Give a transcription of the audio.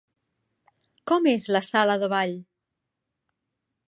Com és la sala de ball?